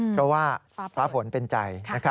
เพราะว่าฟ้าฝนเป็นใจ